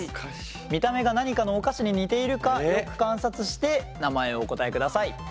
見た目が何かのお菓子に似ているかよく観察して名前をお答えください。